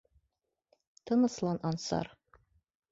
Тыныслан, Ансар.